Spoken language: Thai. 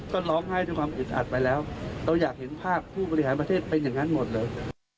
ก็ร้องไห้ด้วยความอึดอัดไปแล้วเราอยากเห็นภาพผู้บริหารประเทศเป็นอย่างนั้นหมดเลย